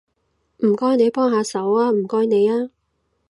唔該你幫下手吖，唔該你吖